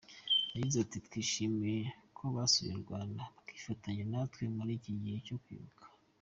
Yagize ati “Twishimiye ko basuye u Rwanda bakifatanya natwe muri iki gihe cyo kwibuka.